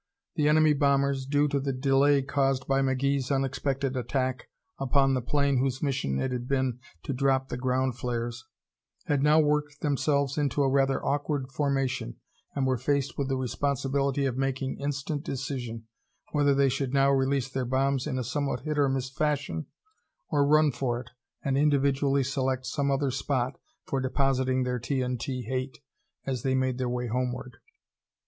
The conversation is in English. The enemy bombers, due to the delay caused by McGee's unexpected attack upon the plane whose mission it had been to drop the ground flares, had now worked themselves into a rather awkward formation and were faced with the responsibility of making instant decision whether they should now release their bombs in a somewhat hit or miss fashion or run for it and individually select some other spot for depositing their T.N.T. hate as they made their way homeward.